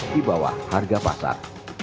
di bawah harga pasar